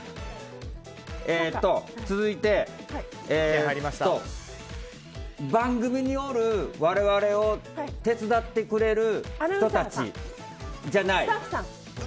続いて、番組におる我々を手伝ってくれる人たち。